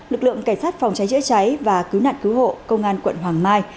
lực lượng cảnh sát phòng cháy chữa cháy và cứu nạn cứu hộ công an quận hoàng mai